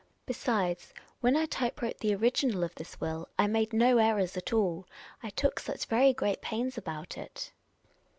Besides, when I type wrote the original of this will, I made no errors at all ; I took such very great pains about it."